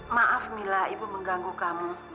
maaf mila ibu mengganggu kamu